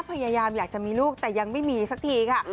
พยายามอยากจะมีลูกแต่ยังไม่มีสักทีค่ะ